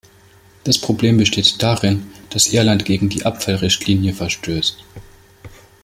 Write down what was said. Das Problem besteht darin, dass Irland gegen die Abfallrichtlinie verstößt.